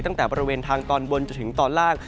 ตั้งแต่บริเวณทางตอนบนจนถึงตอนล่าง